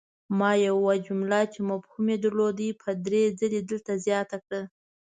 ما یوه جمله چې مفهوم ېې درلود په دري ځلې دلته زیاته کړه!